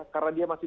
karena dia masih